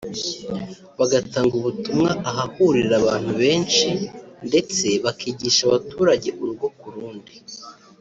bagatanga ubutumwa ahahurira abantu benshi ndetse bakigisha abaturage urugo ku rundi